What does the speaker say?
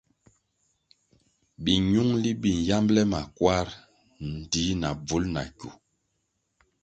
Minungʼli bi yambʼle kwarʼ ndtih na bvul na kywu.